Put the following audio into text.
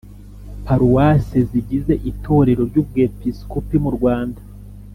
Paruwase zigize itorero ry Ubwepiskopi murwanda